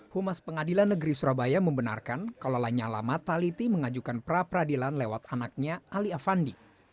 humas pengadilan negeri surabaya membenarkan kalau lanyala mataliti mengajukan pra peradilan lewat anaknya ali afandi